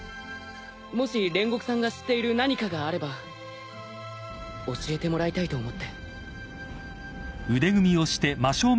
もし煉獄さんが知っている何かがあれば教えてもらいたいと思って。